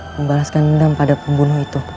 membalaskan hendak pada anakku